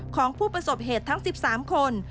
ของผู้ประสบเหตุทั้ง๑๓คน